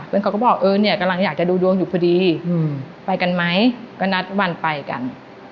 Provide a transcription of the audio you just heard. แล้วเขาก็บอกเออเนี่ยกำลังอยากจะดูดวงอยู่พอดีไปกันไหมก็นัดวันไปกัน